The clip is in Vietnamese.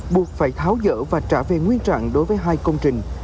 buộc phải tháo dỡ và trả về nguyên trạng đối với hai công trình